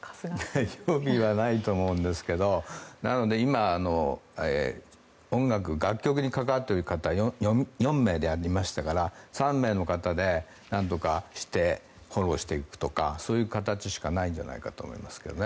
予備はないと思うんですけどなので、今音楽、楽曲に関わっている方が４名でありましたから３名の方でなんとかしてフォローしていくとかそういう形しかないんじゃないかと思いますけどね。